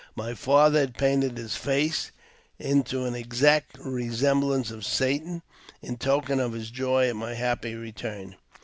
My father had painted his face into an exact resemblance of Satan, in token of his joy at my happy return.